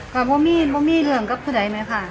การบ่มี่บ่มี่เรื่องกับเท่าไหร่ไหมค่ะ